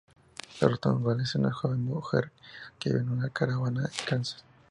Dorothy Gale es una joven mujer que vive en una caravana en Kansas.